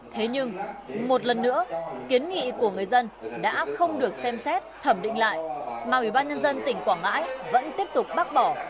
thế nhưng một lần nữa kiến nghị của người dân đã không được xem xét thẩm định lại mà ủy ban nhân dân tỉnh quảng ngãi vẫn tiếp tục bác bỏ